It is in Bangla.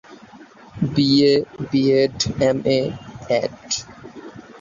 BA BEd, MA add.